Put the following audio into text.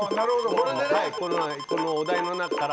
このお題の中から。